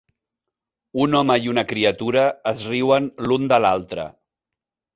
Un home i una criatura es riuen l'un de l'altre.